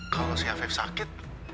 kalau si afif sakit